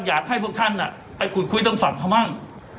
อยากให้พวกท่านไปขุดคุยทางฝั่งเขาบ้าง